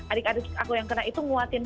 adik adik aku yang kena itu nguatin